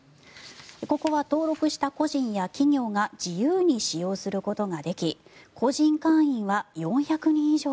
ここは登録した個人や企業が自由に使用することができ個人会員は４００人以上。